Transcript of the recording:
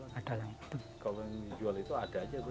kalau yang dijual itu ada saja